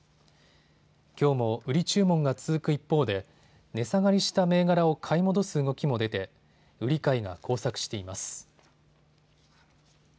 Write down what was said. きょうも売り注文が続く一方で値下がりした銘柄を買い戻す動きも出て売り買いが交錯しています。